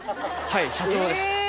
はい社長です。